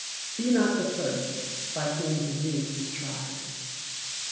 [BE NOT THE FIRST BY WHOM THE NEW IS TRIED.